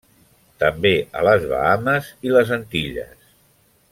També a les Bahames i les Antilles.